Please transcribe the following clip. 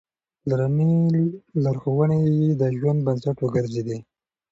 پلارنۍ لارښوونې يې د ژوند بنسټ وګرځېدې.